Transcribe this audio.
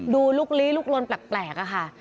ดูลูกลี้ลูกล้นแปลกค่ะ